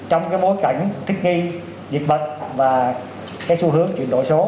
trong cái bối cảnh thích nghi diệt bật và cái xu hướng chuyển đổi số